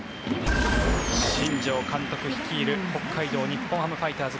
新庄監督率いる北海道日本ハムファイターズ。